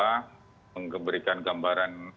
kita harus memberikan gambaran